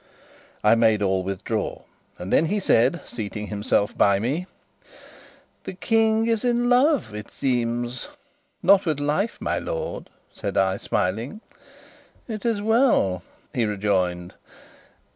I made all withdraw, and then he said, seating himself by me: "The King is in love, it seems?" "Not with life, my lord," said I, smiling. "It is well," he rejoined.